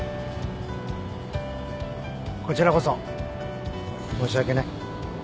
こちらこそ申し訳ない。